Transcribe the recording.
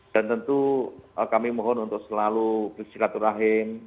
dan tentu kami mohon untuk selalu beristirahat urahim